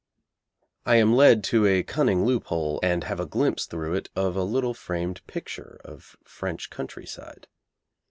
I am led to a cunning loop hole, and have a glimpse through it of a little framed picture of French countryside.